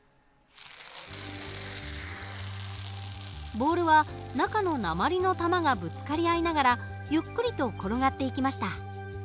ボールは中の鉛の玉がぶつかり合いながらゆっくりと転がっていきました。